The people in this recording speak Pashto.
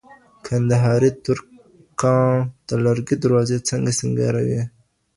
کندهاري ترکاڼان د لرګي دروازې څنګه سینګاروي؟